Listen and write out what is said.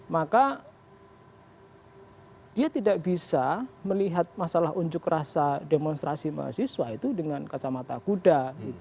maka dia tidak bisa melihat masalah unjuk rasa demonstrasi mahasiswa itu dengan kacamata kuda